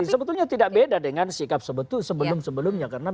tapi sebetulnya tidak beda dengan sikap sebelumnya